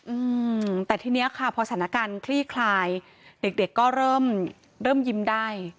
อืมแต่ทีเนี้ยค่ะพอสถานการณ์คลี่คลายเด็กเด็กก็เริ่มเริ่มยิ้มได้